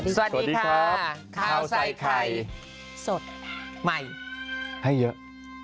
สวัสดีครับข้าวใส่ไข่สดใหม่ให้เยอะ